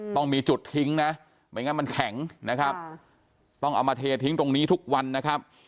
ต้องมีจุดทิ้งนะไม่งั้นมันแข็งนะครับต้องเอามาเททิ้งตรงนี้ทุกวันนะครับ